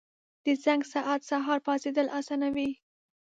• د زنګ ساعت سهار پاڅېدل اسانوي.